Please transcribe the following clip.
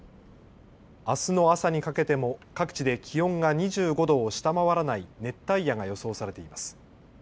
あすの朝にかけても各地で気温が２５度を下回らない熱帯夜が予想されています。